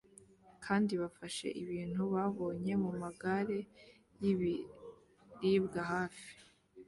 kandi bafashe ibintu babonye mumagare y'ibiribwa hafi